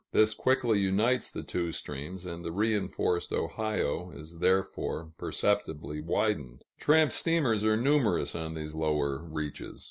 This quickly unites the two streams, and the reinforced Ohio is thereafter perceptibly widened. Tramp steamers are numerous, on these lower reaches.